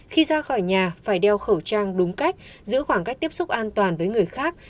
khi ra khỏi nhà phải đeo khẩu trang đúng cách giữ khoảng cách tiếp xúc an toàn với người khác